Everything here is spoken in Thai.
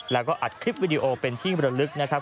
แล้วก็อัดคลิปวิดีโอเป็นที่บรรลึกนะครับ